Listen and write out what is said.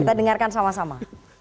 kita dengarkan sama sama